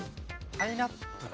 パイナップル。